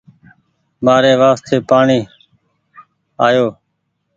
مآري وآستي پآڻيٚ آئو